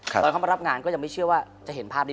ตอนเข้ามารับงานก็ยังไม่เชื่อว่าจะเห็นภาพนี้